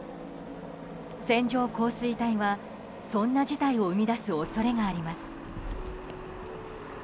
線状降水帯は、そんな事態を生み出す恐れがあります。